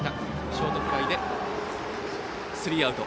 ショートフライでスリーアウト。